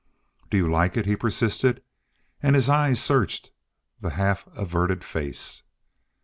"Do you like it?" he persisted, and his eyes searched the half averted face.